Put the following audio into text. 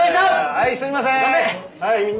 はいすいません。